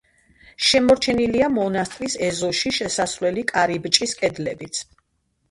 შემორჩენილია მონასტრის ეზოში შესასვლელი კარიბჭის კედლებიც.